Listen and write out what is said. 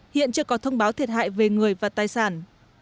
hiện chưa có thông báo thiệt hại về người và tài sản